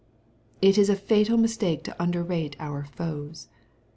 It is a fatal mistake to underrate our foes.